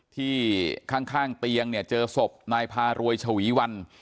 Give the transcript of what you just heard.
ที่ข้างเตียงเนี่ยเจอศพนายพารวยฉวีวัน